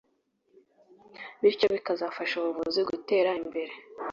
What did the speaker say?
bityo bikazafasha ubuvuzi gutera imbere